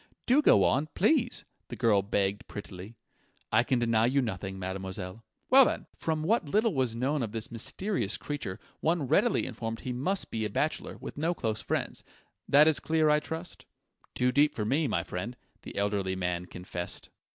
"Do go on please!" the girl begged prettily. "I can deny you nothing, mademoiselle.... Well, then! From what little was known of this mysterious creature, one readily inferred he must be a bachelor, with no close friends. That is clear, I trust?" "Too deep for me, my friend," the elderly man confessed.